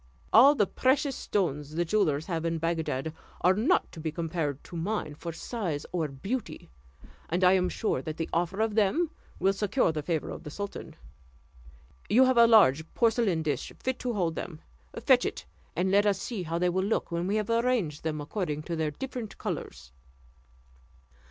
All the precious stones the jewellers have in Bagdad are not to be compared to mine for size or beauty; and I am sure that the offer of them will secure the favour of the sultan. You have a large porcelain dish fit to hold them; fetch it, and let us see how they will look, when we have arranged them according to their different colours."